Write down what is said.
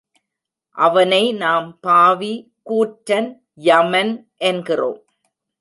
அவனை நாம் பாவி, கூற்றன், யமன் என்கிறோம்.